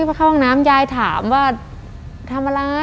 พอเข้าห้องน้ำยายถามว่าทำอะไร